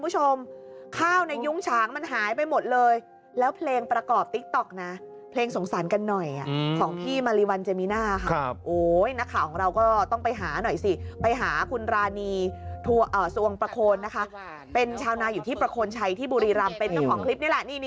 ส่วนประโคนนะคะเป็นชาวนาอยู่ที่ประโคนชัยที่บุรีรำเป็นต้องของคลิปนี่แหละ